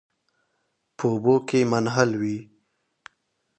په اوبو کې منحل وي.